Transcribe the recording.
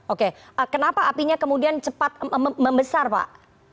oke kenapa apinya kemudian cepat membesar pak